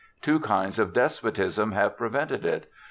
Two kinds of despotism have prevented it.